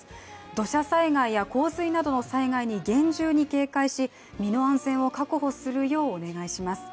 土砂災害や洪水などの災害に厳重に警戒し身の安全を確保するようお願いします。